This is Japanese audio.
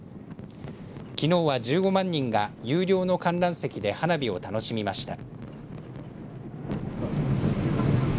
きのうは１５万人が有料の観覧席で花火を楽しみました。